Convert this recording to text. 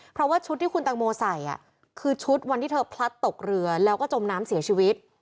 เพราะว่าชุดที่คุณตังโมใส่คือชุดวันที่เธอพลัดตกเรือแล้วก็จมน้ำเสียชีวิต